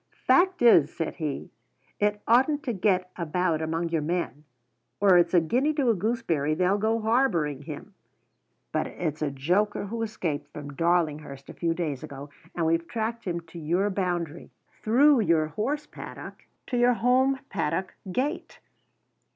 "Fact is," said he, "it oughtn't to get about among your men, or it's a guinea to a gooseberry they'll go harbouring him. But it's a joker who escaped from Darlinghurst a few days ago. And we've tracked him to your boundary through your horse paddock to your home paddock gate!"